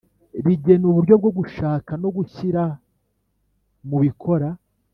rigena uburyo bwo gushaka no gushyira mubikora